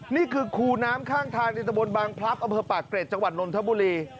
นี่คือคูน้ำข้างทางอินตบรรย์บางพลับอเกรดจังหวัดนนทบุรี